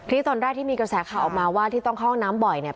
คริสตนไดดที่มีกระแสข่าออกมาว่าที่ต้องเข้าน้ำบ่อยเนี่ย